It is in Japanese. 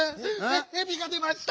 へびが出ました！